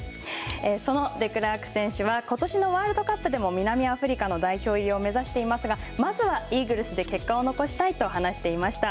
そのデクラーク選手は、ことしのワールドカップでも南アフリカの代表入りを目指していますが、まずはイーグルスで結果を残したいと話していました。